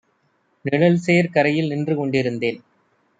நிழல்சேர் கரையில் நின்றுகொண் டிருந்தேன்